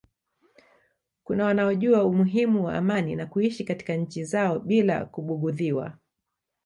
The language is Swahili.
kuna wanaojua umuhimu wa amani na kuishi katika nchi zao bila kubugudhiwa